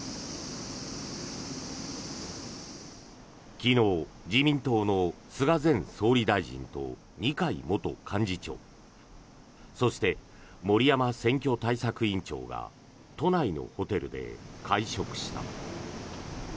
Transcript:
昨日、自民党の菅前総理大臣と二階元幹事長そして、森山選挙対策委員長が都内のホテルで会食した。